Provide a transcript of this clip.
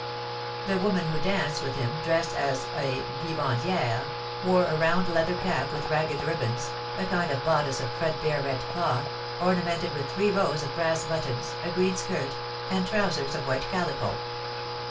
The woman who danced with him, dressed as a vivandière, wore a round leather cap with ragged ribands, a kind of bodice of threadbare red cloth, ornamented with three rows of brass buttons, a green skirt, and trousers of white calico.